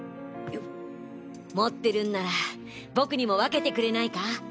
持ってるんなら僕にもわけてくれないか？